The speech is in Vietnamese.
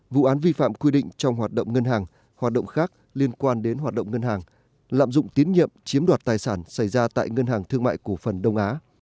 vụ án vi phạm quy định trong hoạt động ngân hàng hoạt động khác liên quan đến hoạt động ngân hàng lạm dụng tín nhiệm chiếm đoạt tài sản xảy ra tại ngân hàng thương mại cổ phần đông á